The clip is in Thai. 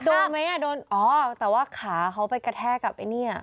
สู้ไหมอ่ะโดนอ๋อแต่ว่าขาเขาไปกระแทกกับไอ้เนี่ย